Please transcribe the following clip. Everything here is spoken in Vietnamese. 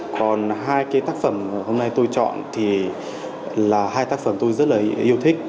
còn hai cái tác phẩm hôm nay tôi chọn thì là hai tác phẩm tôi rất là yêu thích